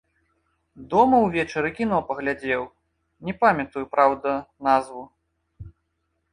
Дома ўвечары кіно паглядзеў, не памятаю, праўда, назву.